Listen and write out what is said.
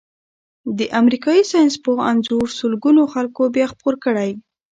د امریکايي ساینسپوه انځور سلګونو خلکو بیا خپور کړی.